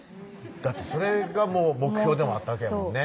だってそれが目標でもあったわけやもんね